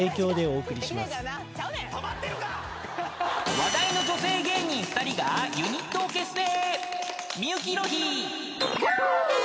［話題の女性芸人２人がユニットを結成］